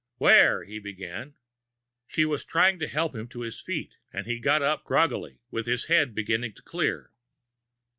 "Where ?" he began. She was trying to help him to his feet, and he got up groggily, with his head beginning to clear.